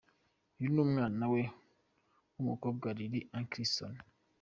Uyu ni umwana we w'umukobwa Lily Atkinson.